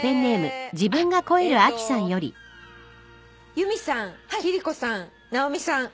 「由美さん貴理子さん直美さん